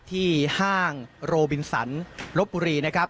ห้างโรบินสันลบบุรีนะครับ